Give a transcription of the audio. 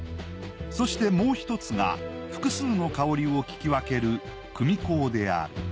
そしてもう一つが複数の香りを聞き分ける組香である。